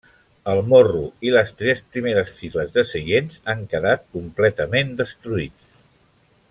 El morro i les tres primeres files de seients, han quedat completament destruïts.